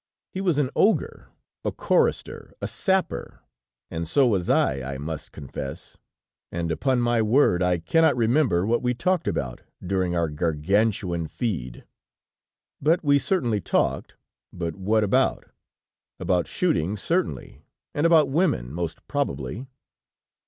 He was an ogre, a choirister, a sapper, and so was I, I must confess, and, upon my word, I cannot remember what we talked about during our Gargantuan feed! But we certainly talked, but what about? About shooting, certainly, and about women most probably.